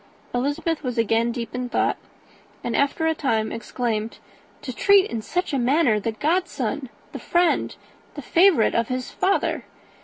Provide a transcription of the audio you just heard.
Elizabeth was again deep in thought, and after a time exclaimed, "To treat in such a manner the godson, the friend, the favourite of his father!"